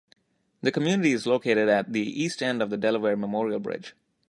The community is located at the east end of the Delaware Memorial Bridge.